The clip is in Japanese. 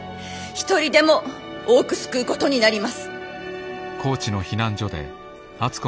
一人でも多く救うことになります。